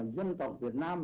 nhân tộc việt nam